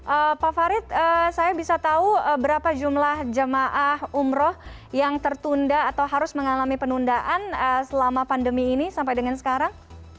oke pak farid saya bisa tahu berapa jumlah jemaah umroh yang tertunda atau harus mengalami penundaan selama pandemi ini sampai dengan sekarang